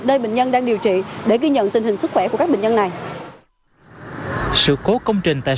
nơi bệnh nhân đang điều trị để ghi nhận tình hình sức khỏe của các bệnh nhân này